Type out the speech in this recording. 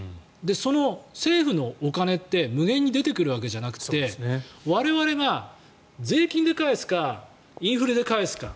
その政府のお金って無限に出てくるわけじゃなくて我々が税金で返すかインフレで返すか。